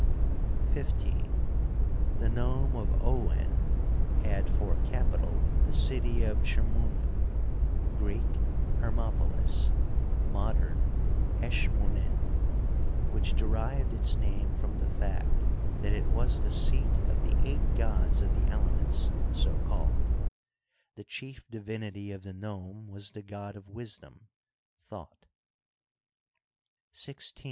XV. The nome of Ouen had for capital the city of Chmunu (Greek Hermopolis, modem Eskmunin), which derived its name from the fact that it was the seat of the eight gods of the elements, so called ; the chief divinity of the nome was the god of wisdom Thot, XVI.